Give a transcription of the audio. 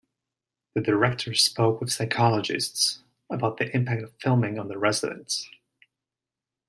The director spoke with psychologists about the impact of filming on the residents.